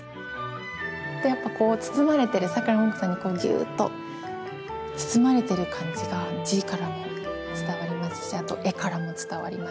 やっぱこう包まれてるさくらももこさんにこうぎゅっと。包まれてる感じが字からも伝わりますしあと絵からも伝わりますし。